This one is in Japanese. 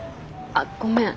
あごめん